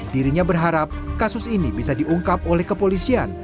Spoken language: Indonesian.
dirinya berharap kasus ini bisa diungkap oleh kepolisian